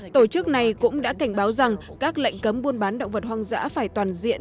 tổ chức này cũng đã cảnh báo rằng các lệnh cấm buôn bán động vật hoang dã phải toàn diện